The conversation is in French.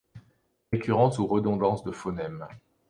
Récurrence ou redondance de phonèmes.